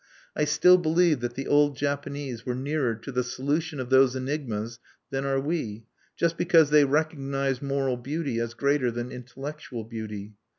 I still believe that the old Japanese were nearer to the solution of those enigmas than are we, just because they recognized moral beauty as greater than intellectual beauty.